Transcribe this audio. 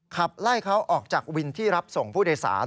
ขับไล่เขาออกจากวินที่รับส่งผู้โดยสาร